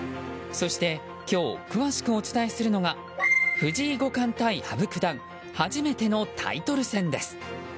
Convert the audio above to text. そして今日詳しくお伝えするのが藤井五冠ＶＳ羽生九段初めてのタイトル戦です。